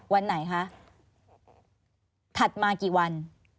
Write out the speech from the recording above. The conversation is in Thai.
วันไหนคะถัดมากี่วัน